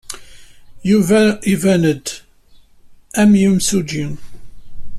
Yuba iban-d am yimsujji.